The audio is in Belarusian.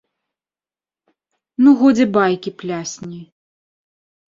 Ну, годзе байкі плясні.